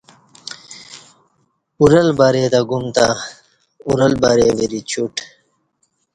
اُرل بری تہ گُم تں اُرل بری وری چُٹ